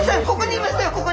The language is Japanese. ここにいましたよ